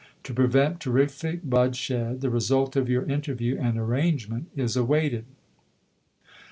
To prevent ciesorKai terrific bloodshed, the result of your interview and p eoa.' arrangement is awaited."